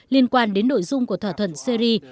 liên quan đến nội dung của thỏa thuận syri